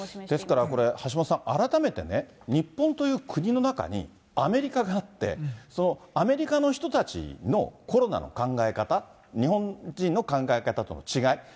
ですからこれ、橋下さん、改めてね、日本という国の中に、アメリカがあって、そのアメリカの人たちのコロナの考え方、日本人の考え方との違い。